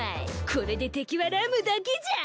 これで敵はラムだけじゃ！